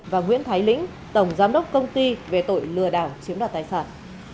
và nguyễn thái lĩnh tổng giám đốc công ty về tội lừa đảo chiếm đoạt tài sản